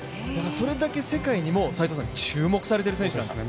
それだけ世界にも注目されている選手なんですね。